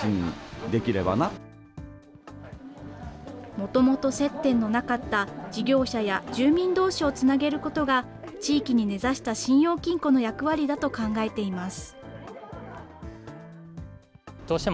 もともと接点のなかった事業者や住民どうしをつなげることが、地域に根ざした信用金庫の役割だと考えています。